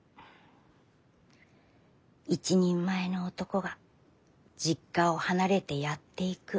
一人前の男が実家を離れてやっていく。